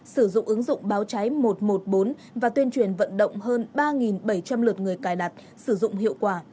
sử dụng ứng dụng báo cháy một trăm một mươi bốn và tuyên truyền vận động hơn ba bảy trăm linh lượt người cài đặt sử dụng hiệu quả